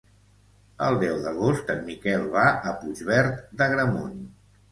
El deu d'agost en Miquel va a Puigverd d'Agramunt.